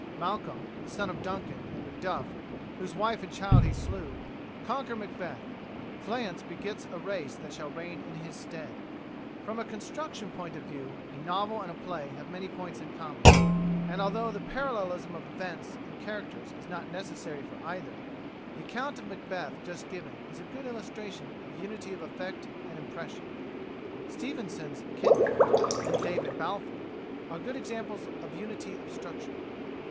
Malcolm, the son of Duncan, and Macduff, whose wife and child he slew, conquer Macbeth; Fleance begets a race that shall reign in his stead."[65:A] From a construction point of view, a novel and a play have many points in common; and although the parallelism of events and characters is not necessary for either, the account of Macbeth just given is a good illustration of unity of effect and impression. Stevenson's "Kidnapped" and "David Balfour" are good examples of unity of structure.